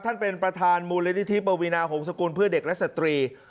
เป็นประธานมูลนิธิปวีนาหงษกุลเพื่อเด็กและสตรี